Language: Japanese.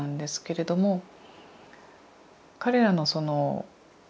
彼らのその。